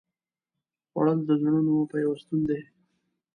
خوړل د زړونو پیوستون دی